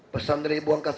pesan dari ibu angkat saya